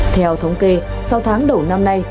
theo thống kê sau tháng đầu năm nay